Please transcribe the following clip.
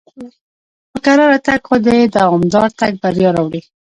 په کراره تګ خو دوامدار تګ بریا راوړي.